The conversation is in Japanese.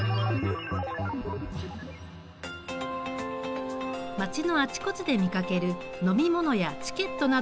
街のあちこちで見かける飲み物やチケットなどの自動販売機。